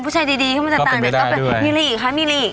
ผู้ชายดีเข้ามาจากต่างแดนก็เป็นมิลิอีกค่ะมิลิ